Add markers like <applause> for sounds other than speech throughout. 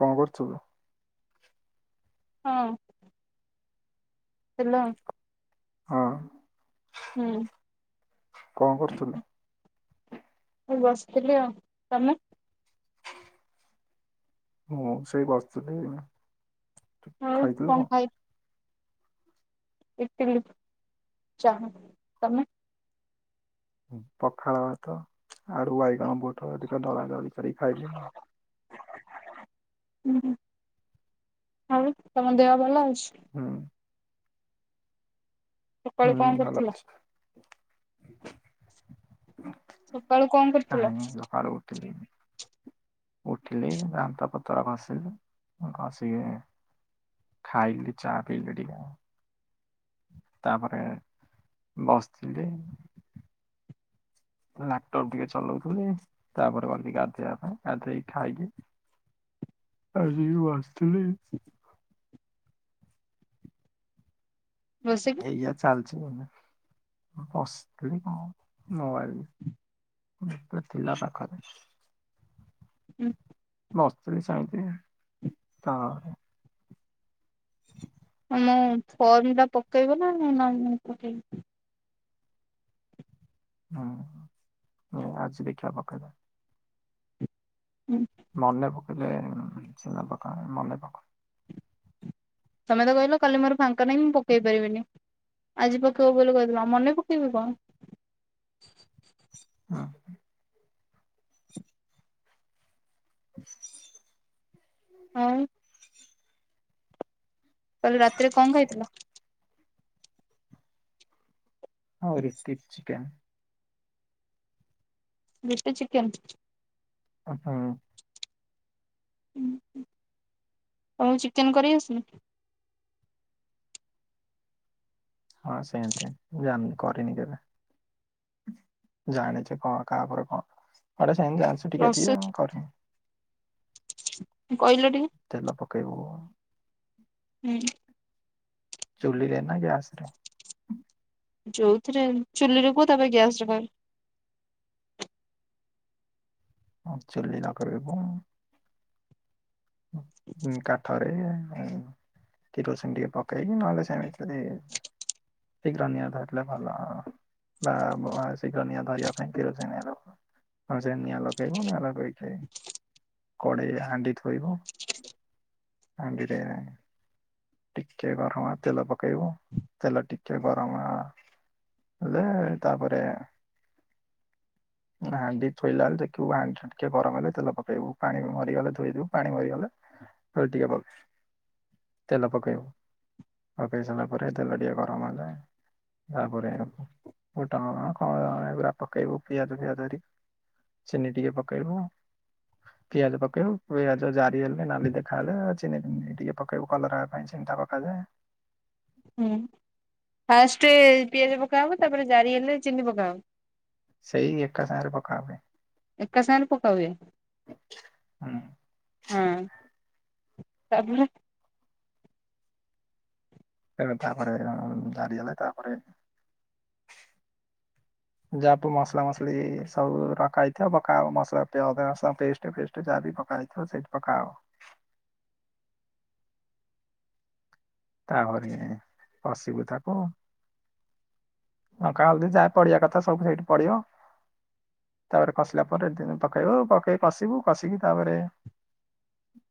କଣ କରୁଥିଲୁ? ହଁ ହେଲୋ। ହଁ। ହୁଁ। କଣ କରୁଥିଲୁ? ମୁଁ ବସିଥିଲି ଆଉ। ତମେ? ମୁଁ ସେଇ ବସିଥିଲି ଆଉ ଖାଇଥିଲୁ କଣ? ଖାଇ ଇଟିଲି ଚାହା ତମେ? ପଖାଳ ଭାତ ଆଳୁ ବାଇଗଣ ବୋଟଳ ଟିକେ ଦଳା ଦଳି। କରିକି ଖାଇଲି। ହୁଁ। ଆଉ ତମ ଦେହ ଭଲ ଅଛି? ହୁଁ। ସକାଳୁ ହୁଁ କଣ ଭଲ କରୁଥିଲ? ଅଛି। ସକାଳୁ କଣ କରୁଥିଲ କାଇଁ ସକାଳୁ ଉଠ ଲିଣୀ ଉଠିଲେ ଦାନ୍ତ ପତର ଘଷିଲି ଘଷିକି ଖାଇିକି ଚା ପିଇଲି ଟିକେ। ତାପରେ ବସିଥିଲି। ଲ୍ୟାପଟପ ଟିକେ ଚଲଉଥିଲି, ତାପରେ ଗଲି ଗାଧେଇବା ପାଇଁ ଗାଧେଇକି ଖାଇକି <inaudible> ଆସିକି ବସିଥିଲି। ବସିକି ଏଇଆ ଚାଲିଚି। ଆମେ ବସିଥିଲି କଣ ମୁ ଆଇବି ମୃତ ଥିଲା ପାଖରେ ହୁଁ। ବସ ଥିଲି ସେମତି ତାପରେ <inaudible> ମୁଁ ଫର୍ମ ଟା ପକେଇବ ନା ନା ମୁଇ ପକେଇବିନି? ହୁଁ ଆଜି ଦେଖିବା ପକେଇ ଦବା। ହୁଁ ମନେ ପକେଇଲେ ପକା ମନେ ପକ। ତମେ ତ କହିଲ କାଲି ମୋର ଫାଙ୍କା ନାହିଁ ମୁଁ ପକେଇ ପାରିବିନି। ଆଜି ପକେଇବ ବୋଲି କହିଥିଲା, ମନେ ପକେଇବି କଣ? ହଁ ହ। <inaudible> ଆଉ। କାଲି ରାତିରେ କଣ ଖାଇଥିଲ? ହଁ ରୁଟି ଚିକେନ୍। ରୁଟି ଚିକେନ୍? ହଁ। ଉ ହୁଁ। ତମକୁ ଚିକେନ କରି ଆସେ? ହଁ ସେମତି ମୁଁ ଜାଣିନି କରିନି କେବେ? ଜାଣିଚି କଣ କାହାପରେ କଣ କଆଡେ ସେମତି ଜାଣିଚି ଟିକେ ଟିକେ ପ୍ରୋସେସ କରିନି। କହିଲ ଟିକେ ତେଲ ପକେଇବୁ। ହୁଁ। ଚୁଲି ରେ ନା ଗ୍ୟାସ୍ ରେ? ଯୋଉଥିରେ ଚୁଲିରେ କୁହ। ତା ପରେ ଗ୍ୟାସ୍ ରେ କହିବ। ହଁ ଚୁଲି ଲଗେଇବୁ। ଉଁ, କାଠରେ ଆଉ କିରୋସିନ ଟିକେ ପକେଇକି ନହେଲେ ସେମିତି ଯଦି ଠିକ ର ନିଆଁ ଧରିଲେ ଭଲ। ବା-ବ- ଆ, ଶିଘ୍ର ନିଆଁ ଧରିବା ପାଇଁ କିରୋସିନ ଆଣିବୁ। ହଁ ସେ ନିଆଁ ଲଗେଇବୁ, ନିଆଁ ଲଗେଇକି, କଡ଼େଇ ହାଣ୍ଡି ଥୋଇବୁ। ହାଣ୍ଡିରେ ଟିକେ ଗରମ ତେଲ ପକେଇବୁ, ତେଲ ଟିକେ ଗରମ ହେଲେ ତାପରେ ହାଣ୍ଡି ଥୋଇଲା ବେଳେ ଦେଖିବୁ ହାଣ୍ଡି ଟା ଟିକେ ଗରମ ହେଲେ ତେଲ ପକେଇବୁ ପାଣି ମରିଗଲେ ଧୋଇବୁ। ପାଣି ମରିଗଲେ ହଉ ଟିକେ ଭଲ, ତେଲ ପକେଇବୁ। ପକେଇ ସାରିଲା ପରେ ତେଲ ଟିକେ ଗରମ ହେଲେ ତାପରେ ଫୁଟଣ କଣ ଏଗୁରା ପକେଇବୁ। ପିଆଜ ଫିଆଜ ହେରି ଚିନି ଟିକେ ପକେଇବୁ, ପିଆଜ ପକେଇବୁ। ପିଆଜ ଜାରି ହେଲେ ନାଲି ଦେଖାହେଲେ ଆ, ଚିନି ଫିନି ଟିକେ ପକେଇବୁ କଲର୍ ହବା ପାଇଁ। ଚିନିଟା ପକେଇଲେ ହୁଁ ଫାଷ୍ଟ ପିଆଜ ପକା ହବ ତାପରେ ଜାରି ହେଲେ ଚିନି ପକାହବ। ସେଇ ଏକା ସାଙ୍ଗରେ ପକା ହୁଏ। ଏକାସାଗରେ ପକା ହୁଏ। ତେଣୁ ହଁ। ତାପରେ? ତେଣୁ ତାପରେ ଜାରି ହେଲେ ତାପରେ ଯାପ ମସଲା ମସଲି ସବୁ ରଖା ହେଇଥିବ ପକାହଵ। ମସଲା <unintelligible> ଅଦା, ରସୁଣ ପେଷ୍ଟ ଫେଷ୍ଟ ଯା ଯଦି ପକା ହେଇଥିବ ସେଇଠି ପକାହଵ। ତାପରେ କସିବୁ ତାକୁ। ଲଙ୍କା ହଲଦି ଯା ପଡିବା କଥା ସବୁ ସେଇଠି ପଡିବ। ତାପରେ କଷିଲା ପରେ ଦି ପକେଇବୁ। ପକେଇ କଷିବୁ କଷିକି ତାପରେ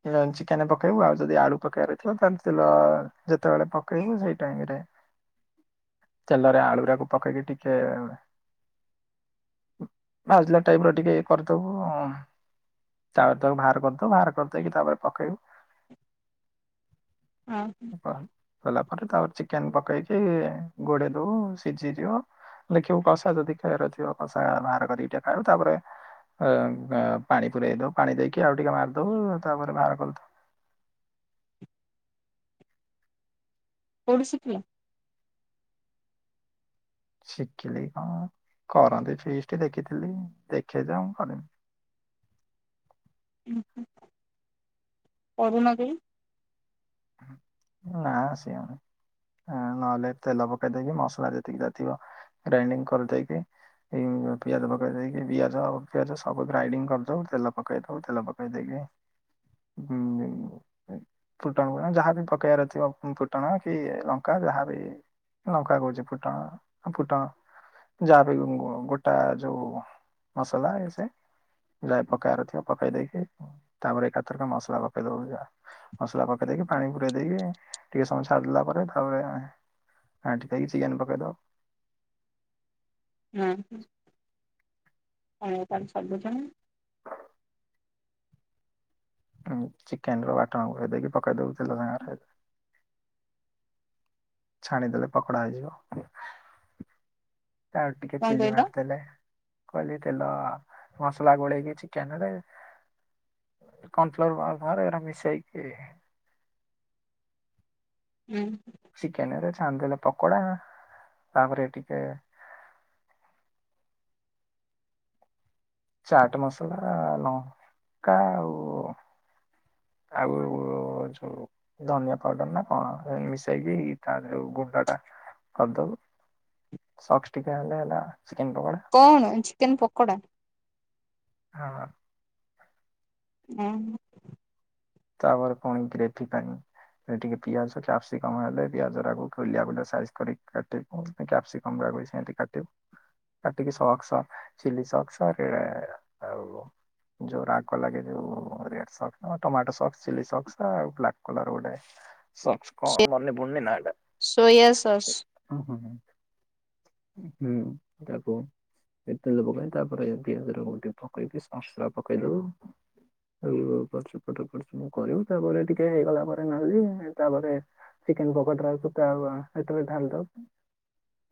<unintelligible> ଚିକେନ୍ ପକେଇବୁ ଆଉ ଯଦି ଆଳୁ ପକେଇବାର ଥିବ ତାନ ତେଲ ଯେତେବେଳେ ପକେଇବୁ ସେଇ ଟାଇମ୍ ରେ। ତେଲରେ ଆଳୁୁଗୁରାକୁ ପକେଇକି ଟିକେ ଭାଜିଲା ଟାଇପ୍ ର ଟିକେ ଇଏ କରିଦବୁ। ଚାଉଳ ତାକୁ ବାହାର କରିଦଵୁ ବାହାର କରିଦେଇକି ତାପରେ ପକେଇବୁ। ହଁ। ଅଁ, କହନ ସରଲା ପରେ ତାପରେ ଚିକେନ୍ ପକେଇକି ଗୋଡେଇ ଦଵୁ ସିଝିଯିବ। ଦେଖିବୁ କଷା ଯଦି ଖାଇଵାରଥିବ କଷା ବାହାର କରିକି ଟିକେ ଖାଇବୁ। ତାପରେ ଅ, ଏ, ପାଣି ପୁରେଇ ଦଵୁ, ପାଣି ଦେଇକି ଆଉ ଟିକେ ମାରିଦଵୁ ତାପରେ ବାହାର କରଦଉ କୋଉଠି ଶିଖିଲ? ଶିଖିଲି କଣ କରନ୍ତି ଫିସ୍ଟି ଦେଖିଥିଲି ଦେଖେ ଯୋଉଁ ମୁଁ କଲିନି। ଓହୋ। କରୁନ କେଇ। ନା ଆସିବନି। ଅଁ, ନହେଲେ ତେଲ ପକେଇ ଦେଇକି ମସଲା ଯେତିକି ଯା ଥିବ ଗ୍ରାଇଣ୍ଡିଙ୍ଗ କରିଦେଇକି ଏଇ ଯୋଉ ପିଆଜ ପକେଇ ଦେଇକି। ବିଆଜ ଆଉ ପିଆଜ ସବୁ ଗ୍ରାଇଡିଙ୍ଗ କରିଦବୁ। ତେଲ ପକେଇ ଦବୁ, ତେଲ ପକେଇ ଦେଇକି କ ଗୁଁ ଏଇ ଏ <unintelligible> ଫୁଟଣ ଫୁଟଣ ଯାହା ବି ପକେଇବାର ଅଛି ଅଳ୍ପ ଫୁଟଣ କି ଲଙ୍କା ଯାହାବି ଲଙ୍କା କହୁଚି ଫୁଟଣ ଫୁଟଣ ଯାହା ବି ଗୋଟା ଯୋଉ ମସଲା ଏସେ ଯା ପକାର ଥିବ ପକେଇ ଦେଇକି ତାପରେ ଏକାଥରକରେ ମସଲା ପକେଇ ଦବ ମସଲା ପକେଇ ପେଇକି ପାଣି ପୁରେଇ ଦେଇକି ଟିକେ ସମୟ ଛାଡିଦେଲା ପରେ ତାପରେ ଘାଣ୍ଟି ଦେଇକି ଚିକେନ ପକେଇଦଉ <inaudible> ହୁଁ, ଆପଣଙ୍କୁ ତାହାଲେ ସବୁ ଜଣା। ଚିକେନ ର ବାଟଣ ଗୋଳେଇ ଦେଇକି ପକେଇ ଦଉ ତେଲ ରେ ଛାଣିଦେଲେ ପକୋଡା ହେଇଯିବ। ତାଉ ଟିକେ କଣ ଚିଲି କହିଲ ମାରିଦେଲେ କହଲି ତେଲ ମସଲା ଗୋଳେଇକି ଚିକେନ ରେ କଣ ଫ୍ଲୋର <unintelligible> ରେ ଏଟା ମିଶଇକୀ ହୁଁ। ଚିକେନରେ ଆନ୍ଦେଲେ ପକୋଡ଼ା ତାପରେ ଟିିକେ ଚାଟ ମସଲା ଲଙ୍କା ଆଉ ଆଉ ଯୋଉ ଧନିଆ ପାଉଡର ନା କଣ ମିଶେଇକି ତା ଯୋଉ ଗୁଣ୍ଡ ଟା ଅଦଉ ସକ୍ସ ଟିିକେ ମାଇଲେ ହେଲା ଚିକେନ୍ ର କଣ ଚିକେନ ପକୋଡା? ହଁ। ହ। ତାପରେ କଣ ଗ୍ରେଭି ପାଇଁ ଟିକେ ପିଆଜ କ୍ୟାପ୍ସିକମ ହେଲେ ପିଆଜଟାକୁ ଗୋଲିଆ ଗୋଲିଆ ସାଇଜ କରି କି କାଟିକି କ୍ୟାପ୍ସି କମ୍ ସେନ୍ତି କାଟିବ କାଟିକି ସକ୍ସ ଚିଲି ସକ୍ସ ଆଗେ ଆଉ ଯଉ ରାଗ ଲାଗେ ଯଉରେ ଟମାଟୋ ସକ୍ସ ସକ୍ସ ଚିଲି ସକ୍ସ ଆଉ ବ୍ଲାକ୍ କଲର ଗୋଟେ ସକ୍ସ କଣ ମନେ ପଡୁନି ନାଁ ଟା। ସୋୟା ସସ୍ ହୁଁହୁଁ ହୁଁ ତାକୁ ଏତେ ଲାଗି ତାପରେ ଗ୍ରୀନ ଟିକେ ପକେଇକି ସକ୍ସ ଟା ପକେଇଦବୁ ଆଉ ପଛୁ ପଟ ପଛୁ ମୁଁ କରିବୁ ତାପରେ ଟିକେ ହେଇଗଲା ପରେ ନହେଲେ ତାପରେ ଚିକେନ ପକୋଡ ସେଥିରେ ଢାଲି ଦଉ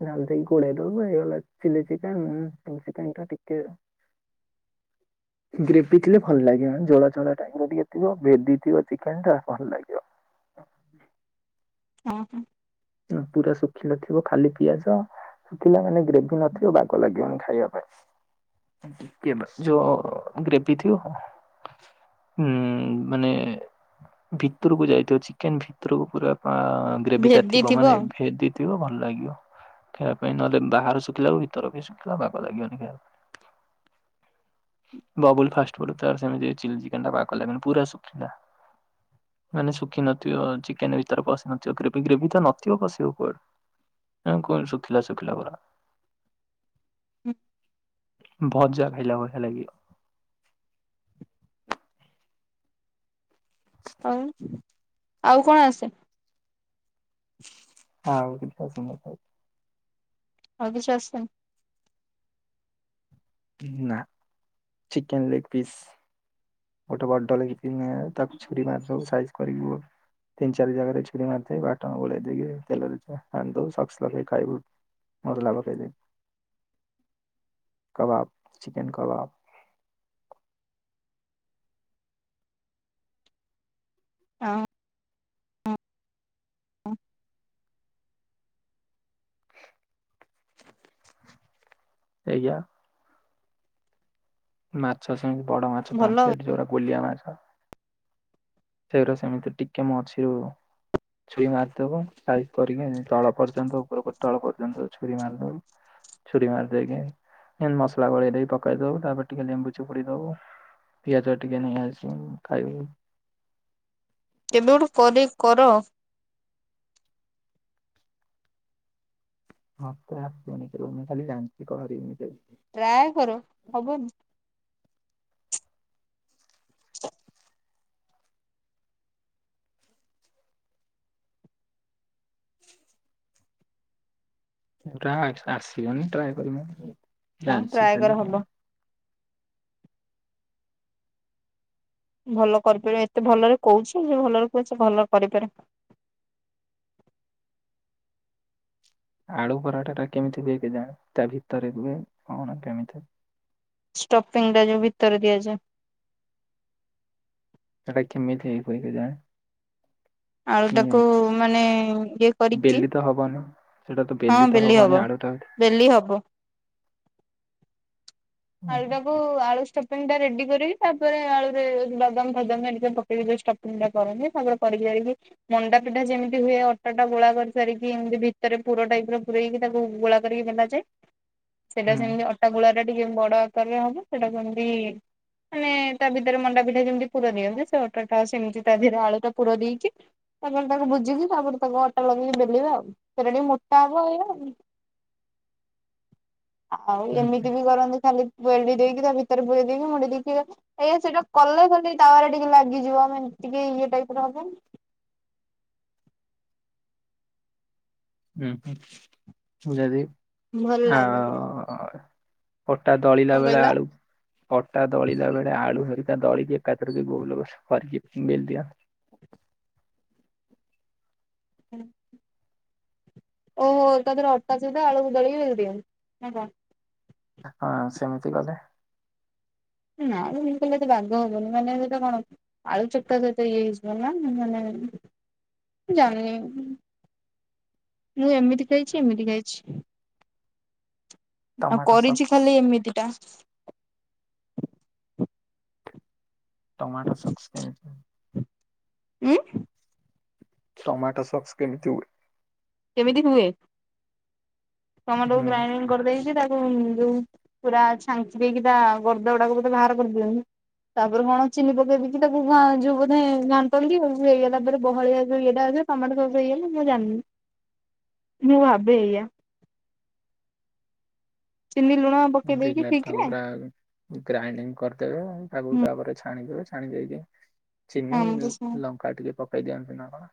ଢାଲି ଦେଇ ଘୋଡେଇ ଦବୁ ହେଇଗଲା ଚିଲି ଚିକେନ୍ ଚ ଚିକେନ ଟା ଟିକେ <inaudible> ଗ୍ରେଭି ଥିଲେ ଭଲ ଲାଗିବ। ଜଳ ଚଳ ଟାଇ ଟେ ଥିବ ଭେ ଥିବ ଚିକେନ ଟା ଭଲ ଲାଗିବ। <inaudible> <inaudible> ହଁ ହ। ପୁରା ଶୁଖିଲା ଥିବ ଖାଲି ପିଆଜ ଶୁଖିଲା ମାନେ ଗ୍ରେଭି ନଥିବ, ବାଗ ଲାଗିବନି ଖାଇବା ପାଇଁ। ଟିକେ ଯୋ ଗ୍ରେଭି ଥିବ ଉଁ ମାନେ ଭିତରକୁ ଯାଇଥିବ ଚିକେନ ଭିତରକୁ ପୁରା ଭେଦି ବ ଥିବ ମାନେ ଭେଦିଥିବ ଭଲ ଲାଗିବ। ଖାଇବା ପାଇଁ ନହେଲେ ବାହାରୁ ଶୁଖିଲା କୁ ଭିତର ବି ଶୁଖିଲା ବାଗ ଲାଗିବନି ଖାଇବା ପାଇଁ। <inaudible> ବବୁଲ ଫାଷ୍ଟ ବ ତ ସେନ୍ତି ଚିଲି ଚିକେନ୍ ଟା ବାଗ ଲାଗିଲାନି ପୁରା ଶୁଖିଲା ମାନେ ଶୁଖି ନଥିବ, ଚିକେନ ଭିତରେ ପଶି ନଥିବ ଗ୍ରେଭି ଗ୍ରେଭି ତ ନଥିବ ପଶିବ କୁଆଡୁ? ଆଉ କଣ ଶୁଖିଲା ଶୁଖିଲା ପରା। <inaudible> ଭଜା ଖାଇଲା ଭଳିଆ ଲାଗିଲା। ଆଉ ଆଉ କଣ ଆସେ। ଆଉ। <inaudible> ଆଉ କିଛି ଆସେନି। ନା ଚିକେନ ଲେଗ୍ ପିସ୍। ଗୋଟେ ବଡ ଲ ତାକୁ ଛୁରି ମାରି ଦବୁ ସାଇଜ କରିବି। ତିନ ଚାରି ଜାଗାରେ ଛୁରୀ ମାରିଦେବି ବାଟା ବଲାେଇ ଦେଇକି ତେଲରେ ଛନିଦବୁ ଲୁଣ ଶସ ଲଗେଇ ଖାଇବୁ। ମସଲା ପକେଇବି। <inaudible> କବାବ ଚିକେନ କବାବ। ହଁ ହୁଁ ହୁଁ। ସେୟା। ମାଛ ସେମିତି ବଡ ମାଛ ଭଲ ଆଉ ପାଞ୍ଚଟ ଯୋଉ ଗୋଲିଆ ମାଛ। ସେଇଗଟା ସେମିତି ଟିକେ ମଝିରୁ। ଛୁରୀ ମାରିଦବ ଖାଇ କରିକି ତଳ ପର୍ଯ୍ୟନ୍ତ ଉପରକୁ ତଳ ପର୍ଯ୍ୟନ୍ତ ଛୁରୀ ମାରିଦବ। ଛୁରୀ ମାରିଦକି ମସଲା ଗୋଳେଇ ଦେଇକ ପକେଇ ଦବୁ ତାପରେ ଟିକେ ଲେମ୍ବୁ ଚୁପୁଡ଼ି ଦବୁ। ପିଆଜ ଟିକେ ନେଇ ଆସି ଖାଇବି। କେବେଗୋଟେ କରିକି କର। ମତେ ଆସିବନି କେବେ ମୁଁ ଖାଲି ଜାଣିଛି କରିନି କେବେ। ଟ୍ରାଏ କର ହବନି। ଟ୍ରା ଆସିବନି ଟ୍ରାଏ କରିବ ହଁ ଜାଣିଛି ଟ୍ରାଏ କର ଖାଲି ହବ କେମିତି। ଭଲ କରିପାରିବ ଏତେ ଭଲରେ କହୁଛ ଭଲରେ କଛ ଭଲରେ କରିପାରେ <inaudible> ଆଳୁ ପରଟା ଟା କେମିତି ହୁଏ କେ ଯାଣ ତା ଭିତରେ ହୁଏ କଣ କେମିତି। ଷ୍ଟପିଙ୍ଗ ଟା ଯୋଉ ଭିତରେ ଦିଆଯାଏ। ସେଇଟା କେମିତି ହେଇ ଯାଏ। <inaudible> ଆଳୁ ତାକୁ ମାନେ ଇଏ କରିକି ବେଲି ତ ହବନି। ସେଇଟା ତ ହଁ ତ ବେଲି ହବନି ହବ। ଆଳୁଟା ହୁଁ ବେଲି ହବ ହୁଁ ଆଳଟାକୁ ଆଳୁ ଟା ଷ୍ଟି ଟା ରେଡି କରିକି ତାପରେ ଆଳୁରେ ବାଦାମ ଫାଦମ ହେରିକା ପ। କେଇକିୋଉ ଟଫନିଂ ଟା କରନ୍ତି ତାପରେ କରିିକି ଯାଇ। ମଣ୍ଡା ପିଠା ଯେମିତି ହୁଏ ଅଟା ଗୋଳା କରି ସାରିକି ଏମିତି ଭିତରେ ପୁର ଟାଇପ ର ପଇକି ତାକୁ ଗୋଳା ଅଟା କରି କି ସେଇଟା ସେମିତି ଅଟା ଗୋଳା। ସେଇଟା ଟିକେ ବଡ ଆକାରରେ ହବ ସେଟା ସେମତି। ମାନେ ତା ଭିତରେ ମଣ୍ଡା ପିଠା ଯେମିତି ପୁର ଦିଅନ୍ତି ସେ ଅଟାଟା ସେମିତି ତାହରେ ଆଳୁ ଟ ପୁରା ଦେଇକି। ତାପରେ ତାକୁ ବୁଝିକି ତାପରେ ତାକୁ ଅଟା ଲଗେଇକି ବେଲିବା ଆଉ ସେଟା ଟିକେ ମୋଟା ହବ ଏଇ ଆଉ ହୁଁ ଏମିତି ବି କରନ୍ତି ଖାଲି ବେଲଡି ଦେଇକି ତା ଭିତରେ ବୁେଇ ଦେଇକି ମୁଡି ଦେଇକି ଏଇା ସେଇଟା କଲେ କଲେ ତାୱାରରେ ଟିକେ ଲାଗିଯିବ ମାନେ ଟିକେ ଇଏ ଟାଇପ ର ହବ। ହଁ ହ ଯଦି ଭଲ ଆ ଲାଗିବ। ଉ ଅଟା ଦଳିଲା କଣ ବେଳେ କହିଲ ଆଳୁ ଅଟା ଦଳିଲା ବେଳେ ଆଳୁ ହେଉ ଦଳି ଦେଇ ଏକତରକ ଗୋବଲ ଫାରମିିଲଦଦିଅ। <inaudible> ଓଃ ତା ଦେହରେ ଅଟା ସିଧା ଆଳୁକୁଦଳି ବେଲି ଦିଅନ୍ତି ନା କଣ। ହଁ ସେମିତି କଲେ। ନା ମୁଁ କିଲଲେ ଏତେ ବାଗ ହବନି ମାନେ ସେଟା କଣ ଆଳୁ ଚଟା ସହିତ ଇଏ ହେଇଯିବ ନା ମାନେ ଜାଣିନି ମୁଁ ଏମିତି ଖାଇଛି ଏମିତି ଖାଇଛି। ଆଉ ଟମାଟୋ କରିଛି ସକ୍ସ ଖାଲି ଏମିତିଟା। ଟମାଟୋ ସକ୍ସ କେମିତି। ଉଁ ଟମାଟୋ ସକ୍ସ କେମିତି ହୁଏ? କେମିତି ହୁଏ। ଟମାଟୋ କୁ ହୁଁ ଗ୍ରାଇଡି କରିଦେଇକି ତା ପୁଣି ଯୋଉ, ପୁରା ଛାଞ୍ଚି ଦେଇକି ତା ଗର୍ଦ ଗୁଡାକୁ ବା ବାହାର କରିଦିଉ ତାପରେ କଣ ଚିନି ପକେଇ ଦେଇକି ତାକୁ ଯୋଉ ବୋଧେ ଘାଣ୍ଟନ୍ତି। ହେଇଗଲା ପରେ ବହଳିଆକି ଇଏଟା ଟମାଟୋ ସକ୍ସ ହେଇଗଲା, ମୁଁ ଜାଣିନି ମୁଁ ଆବେ ଏଇଆ। ଚିନି ଲୁଣ ପକେଇ ଦେଇକି ବିନାଥ ଠିକ ରେ ଠାକୁରରା ଗ୍ରାଇ କର <inaudible> ତେବେ, ତାପର ତାକୁ ହୁଁ ତାପରେ ଛାଣିଦବେ, ଛାଣି ଦେଇକି ଚିନି, ଆମର ତ ସେୟା ଲଙ୍କା ଟିକେ ପକେଇ ଦିଅନ୍ତି ନା କଣ?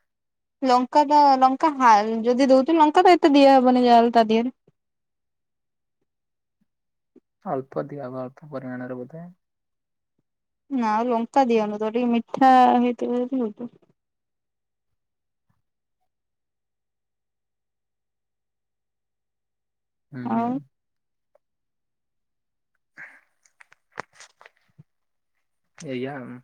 ଲଙ୍କାଟା ଲଙ୍କା ହାଲ, ଯଦି ଦଉଛ ଲଙ୍କା ତ ଏତେ ଦିଆ ହବନି ଯା ହେଲେ ତା ଦିହରେ? <inaudible> ଅଳ୍ପ ଦିଆ ହବ। ଅଳ୍ପ ପରିମାଣରେ ବୋଧେ? ନା ଆଉ ଲଙ୍କା ଦିଆ ହେଉନଥିବ। ଟିକେ ମିଠା ହେଇଥିବ ଜଦୀ ହେଇଥିବ। ହୁଁ, ହୁଁ। ଆଉ ଏଇଆ ଉ।